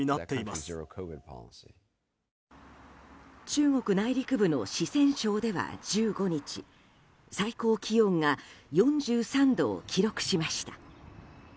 中国内陸部の四川省では１５日最高気温が４３度を記録しました。